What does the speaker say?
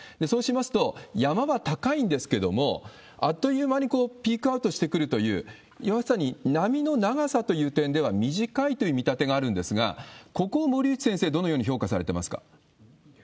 そうしますと、山は高いんですけれども、あっという間にピークアウトしてくるという、まさに波の長さという意味では短いという見立てがあるんですが、ここを森内先生、どのように評価されてますか？